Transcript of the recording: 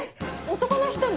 男の人に？